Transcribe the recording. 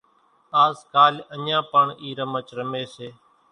پڻ آز ڪال اڃان پڻ اِي رمچ رمي سي